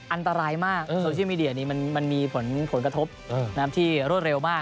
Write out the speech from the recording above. อันตรายมากโซเชียลมีเดียนี้มันมีผลกระทบที่รวดเร็วมาก